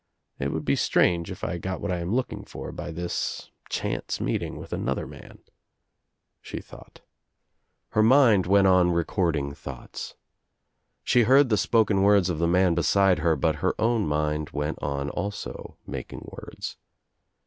It would be strange if I got what I am looking for by igo THE TRIUMPH OF THE EGG this chance meeting with another man," she thought. Her mind went on recording thoughts. She heard the spoken words of the man beside her but her own mind went on, also making words.